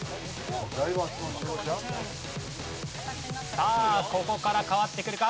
さあここから変わってくるか？